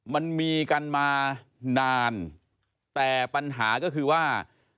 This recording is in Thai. มันมีกันมานานแต่ปัญหาก็คือว่า